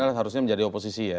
harusnya menjadi oposisi ya